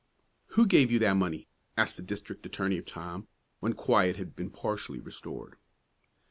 "Who gave you that money?" asked the district attorney of Tom, when quiet had been partially restored.